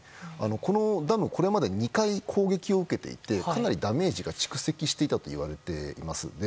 このダム、これまで２回攻撃を受けていてかなりダメージが蓄積していたといわれています。